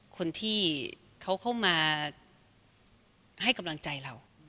คนที่เขาเข้ามาให้กำลังใจเรา